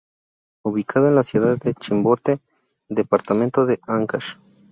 Ubicado en la ciudad de Chimbote, departamento de Ancash.